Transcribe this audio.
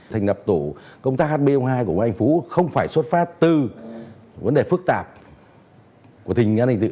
thành đập tổ công tác hp hai của ngoại hành phú không phải xuất phát từ vấn đề phức tạp của tình nhân hình tự